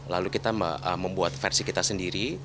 lalu kita membuat versi kita sendiri